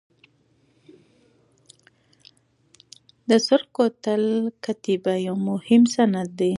د سرخ کوتل کتیبه یو مهم سند دی.